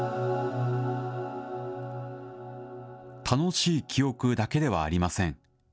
楽しい記憶だけではありません。